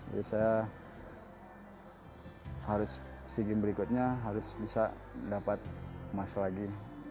jadi saya harus si game berikutnya harus bisa dapat emas lagi